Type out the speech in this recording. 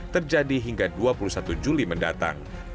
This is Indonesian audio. terjadi hingga dua puluh satu juli mendatang